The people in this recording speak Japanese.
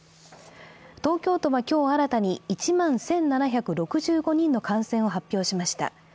東京都は、今日新たに１万１７６５人の感染を発表しました。